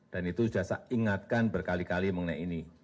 dan itu sudah saya ingatkan berkali kali mengenai ini